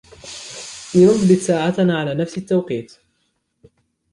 لنضبط ساعاتنا على نفس التوقيت.